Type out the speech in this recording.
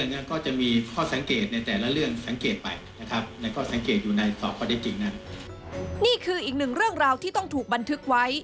นี่คืออีกหนึ่งเรื่องราวที่ต้องถูกบันทึกไว้